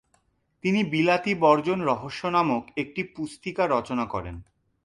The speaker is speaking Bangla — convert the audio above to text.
তিনি বিলাতী বর্জন রহস্য নামক একটি পুস্তিকা রচনা করেন।